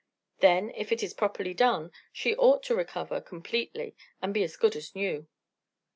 Then, if it is properly done, she ought to recover completely and be as good as new."